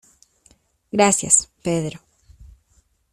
Gracias, Pedro.